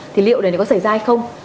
thì liệu điều này có xảy ra hay không